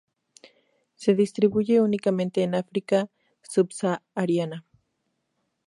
Se distribuye únicamente en África Subsahariana.